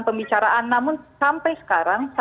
pembicaraan namun sampai sekarang